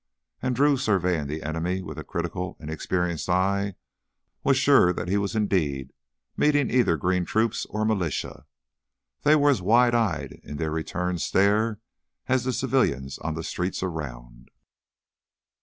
And Drew, surveying the enemy with a critical and experienced eye, was sure that he was indeed meeting either green troops or militia. They were as wide eyed in their return stare as the civilians on the streets around.